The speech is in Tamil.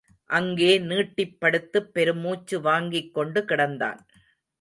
அங்கே நீட்டிப்படுத்துப் பெருமூச்சு வாங்கிக்கொண்டு கிடந்தான்.